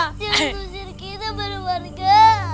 cintu cintu kita baru warga